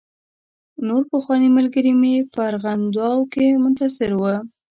نور پخواني ملګري مې په ارغنداو کې منتظر و.